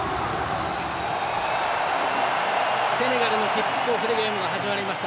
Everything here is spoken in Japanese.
セネガルのキックオフでゲームが始まりました。